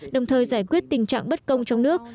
đồng thời giải quyết tình trạng bất công trong nước